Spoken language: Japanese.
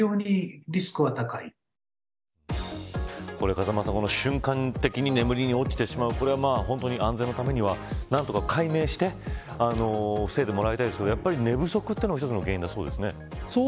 風間さん、瞬間的に眠りに落ちてしまう安全のためには何とか解明して防いでもらいたいですけど寝不足が一つの原因だそうですね。